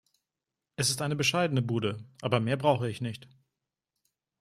Es ist eine bescheidene Bude, aber mehr brauche ich nicht.